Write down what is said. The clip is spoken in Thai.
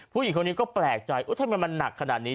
ผู้หญิงคนนี้ก็แปลกใจทำไมมันหนักขนาดนี้